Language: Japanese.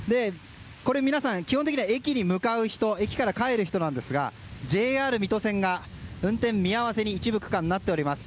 皆さん、基本的には駅に向かう人もしくは駅から帰る人なんですがＪＲ水戸線が運転見合わせに一部区間でなっております。